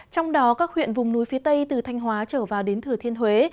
trong đó các huyện vùng núi phía tây từ thanh hóa trở vào đến thừa thiên huế